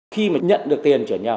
khi mà nhận được tiền chuyển nhau